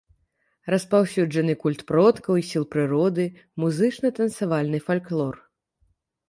Распаўсюджаны культ продкаў і сіл прыроды, музычна-танцавальны фальклор.